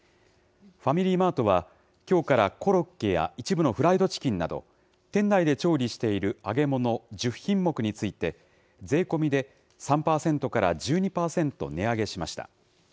ファミリーマートは、きょうからコロッケや一部のフライドチキンなど、店内で調理している揚げ物１０品目について、税込みで３％から１２％値上げしました。